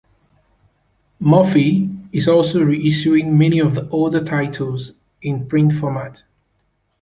Murphy is also reissuing many of the older titles in print format.